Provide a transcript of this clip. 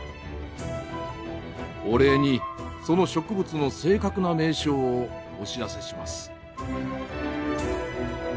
「お礼にその植物の正確な名称をお知らせします」。